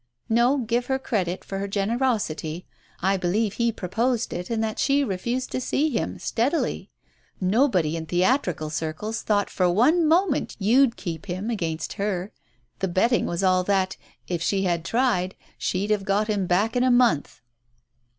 No, give her credit for her gener osity, I believe he proposed it and that she refused to see him, steadily. Nobody in theatrical circles thought for one moment you'd keep him against her. The betting was all that, if she had tried, she'd have got him back in a month."